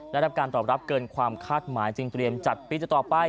ได้รับการตอบรับเกินความคาดหมายจึงเตรียมจัดปีต่อไป